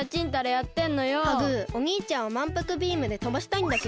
ハグおにいちゃんをまんぷくビームでとばしたいんだけど。